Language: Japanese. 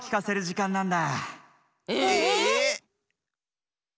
え？